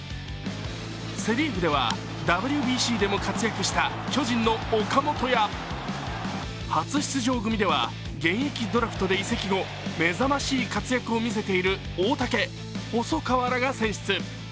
セ・リーグではＷＢＣでも活躍した巨人の岡本や初出場組では現役ドラフトで移籍後、目覚ましい活躍を見せている大竹、細川らが選出。